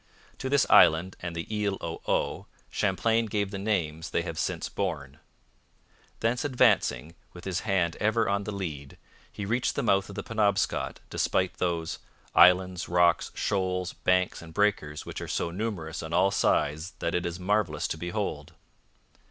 To this island and the Isle au Haut Champlain gave the names they have since borne. Thence advancing, with his hand ever on the lead, he reached the mouth of the Penobscot, despite those 'islands, rocks, shoals, banks, and breakers which are so numerous on all sides that it is marvellous to behold.'